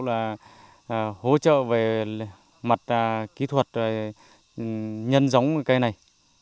là hỗ trợ về mặt kỹ thuật nhân giống cây này